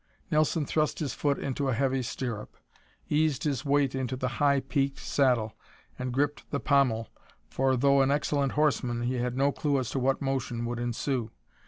Nelson thrust his foot into a heavy stirrup, eased his weight into the high peaked saddle and gripped the pommel, for though an excellent horseman, he had no clue as to what motion would ensue.